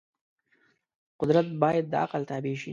قدرت باید د عقل تابع شي.